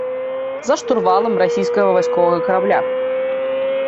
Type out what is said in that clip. За штурвалам расійскага вайсковага карабля.